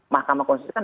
makamah konstitusi kan